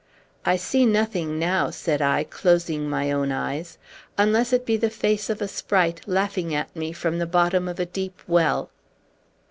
"I see nothing now," said I, closing my own eyes, "unless it be the face of a sprite laughing at me from the bottom of a deep well."